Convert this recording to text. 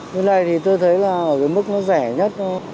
như thế này thì tôi thấy là ở cái mức nó rẻ nhất thôi